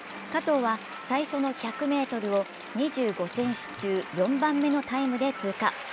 加藤は最初の１００ｍを２５選手中４番目のタイムで通過。